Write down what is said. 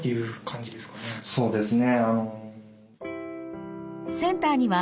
そうですね。